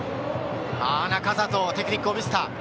仲里、テクニックを見せた。